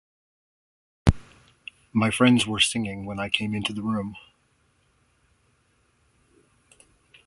My friends were singing when I came into the room.